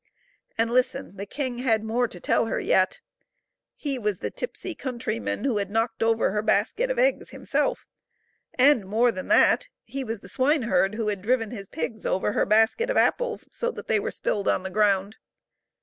And listen : the king had more to tell her yet. He was the tipsy coun tryman and had knocked over her basket of eggs himself, and more than that he was the swineherd who had driven his pigs over her basket of apples so that they were spilled on the ground.